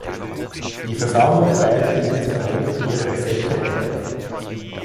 Die Versammlung wählte ihn zu einem ihrer Sekretäre.